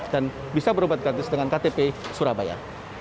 dan bisa berobat gratis dengan ktp surabaya